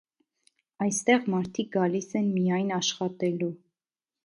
Այստեղ մարդիկ գալիս են միայն աշխատելու։